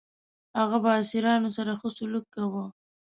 هغه به اسیرانو سره ښه سلوک کاوه.